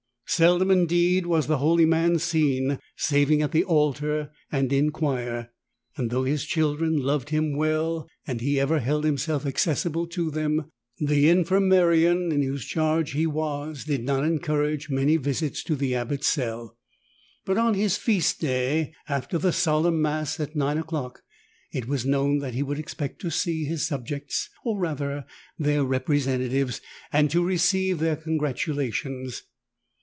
Sel dom indeed was the holy man seen saving at the altar and in choir, and though his children loved him well and he 27 ever held himself accessible to them, the Infirmarian in whose charge he was did not encourage many visits to the Abbot's cell. But on his feast day, after the Solemn Mass at nine o'clock, it was known that he would expect to see his sub jects, or rather their representatives, and to receive their congratulations.